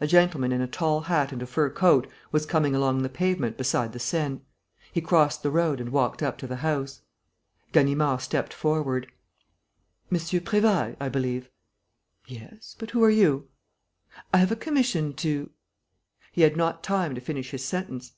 A gentleman in a tall hat and a fur coat was coming along the pavement beside the Seine. He crossed the road and walked up to the house. Ganimard stepped forward: "M. Prévailles, I believe?" "Yes, but who are you?" "I have a commission to...." He had not time to finish his sentence.